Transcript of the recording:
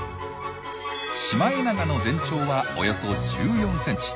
シマエナガの全長はおよそ１４ｃｍ。